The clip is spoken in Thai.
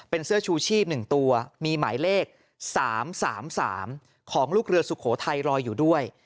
เป็นเสื้อชูชีพ๑ตัวมีหมายเลข๓๓ของลูกเรือสุโขทัยรอยอยู่ด้วย